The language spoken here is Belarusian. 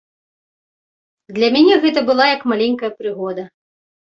Для мяне гэта была як маленькая прыгода.